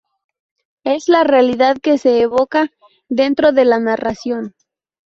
Es la realidad que se evoca dentro de la narración.